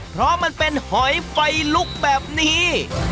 เพราะมันเป็นหอยไฟลุกแบบนี้